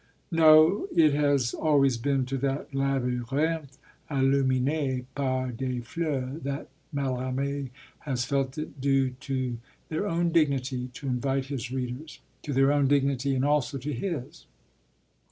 _ No, it has always been to that labyrinthe illuminé par des fleurs that Mallarmé has felt it due to their own dignity to invite his readers. To their own dignity, and also to his.